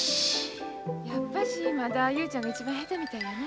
やっぱしまだ雄ちゃんが一番下手みたいやな。